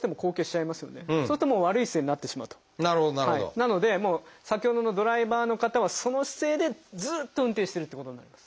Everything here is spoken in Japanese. なので先ほどのドライバーの方はその姿勢でずっと運転してるってことになります。